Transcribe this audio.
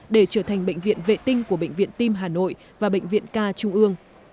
để trở thành bệnh viện vệ tinh của bệnh viện tim hà nội và bệnh viện ca trung ương